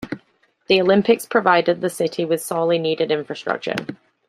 The Olympics provided the city with sorely needed infrastructure.